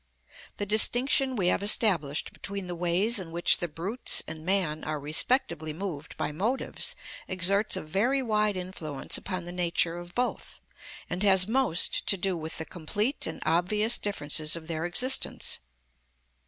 The distinction we have established between the ways in which the brutes and man are respectively moved by motives exerts a very wide influence upon the nature of both, and has most to do with the complete and obvious differences of their existence.